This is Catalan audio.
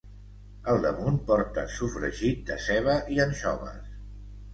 Al damunt, porta sofregit de ceba i anxoves.